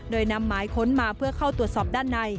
โดยนำหมายค้นมาเพื่อเข้าตรวจสอบด้านใน